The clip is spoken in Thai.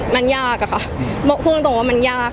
มันยากอะค่ะพูดตรงว่ามันยาก